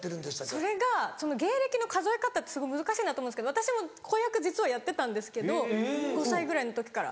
それが芸歴の数え方ってすごい難しいなと思うんですけど私も子役実はやってたんです５歳ぐらいの時から。